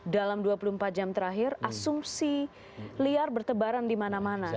dalam dua puluh empat jam terakhir asumsi liar bertebaran di mana mana